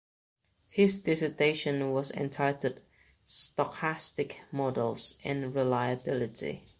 His dissertation was entitled "Stochastic Models in Reliability".